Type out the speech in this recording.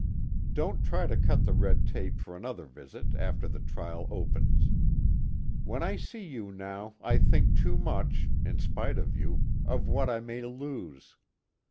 Don't try to cut the red tape for another visit after the trial opens. When I see you now I think too much, in spite of you, of what I may lose.